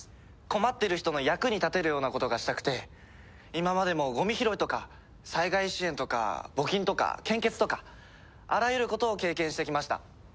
困っている人の役に立てるようなことがしたくて今までもごみ拾いとか災害支援とか募金とか献血とかあらゆることを経験してきました。